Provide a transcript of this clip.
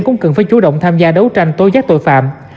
đừng phải chủ động tham gia đấu tranh tối giác tội phạm